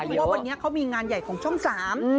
เพราะว่าวันนี้เขามีงานใหญ่ของช่องสาม